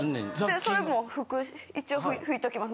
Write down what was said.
でそれも拭く一応拭いときます